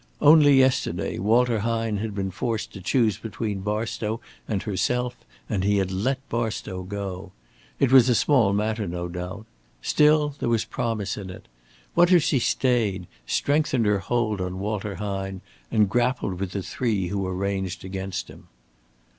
Only yesterday, Walter Hine had been forced to choose between Barstow and herself and he had let Barstow go. It was a small matter, no doubt. Still there was promise in it. What if she stayed, strengthened her hold on Walter Hine and grappled with the three who were ranged against him?